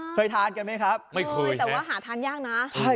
เคยทานกันไหมครับไม่เคยแต่ว่าหาทานยากนะใช่